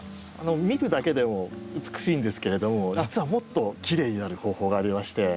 見るだけでも美しいんですけれども実はもっときれいになる方法がありまして。